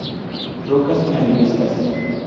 Rocas, areniscas.